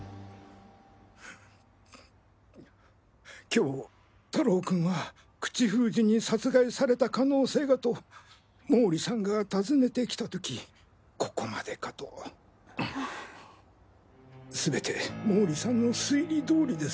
今日太郎君は口封じに殺された可能性がと毛利さんが訪ねてきた時ここまでかと。すべて毛利さんの推理どおりです。